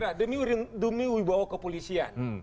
saya kira demi wibawa kepolisian